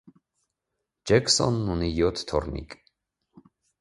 Ջեքսոնն ունի յոթ թոռնիկ։